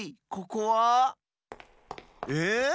ここは？え？